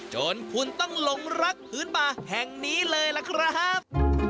จนคุณต้องหลงรักพื้นป่าแห่งนี้เลยล่ะครับ